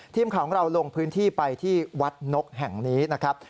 ทีมข่าวของเราลงพื้นที่ไปที่วัดนกแห่งนี้นะครับ